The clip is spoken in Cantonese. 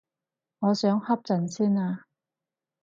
我想瞌陣先啊